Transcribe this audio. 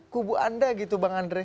kubu anda gitu bang andre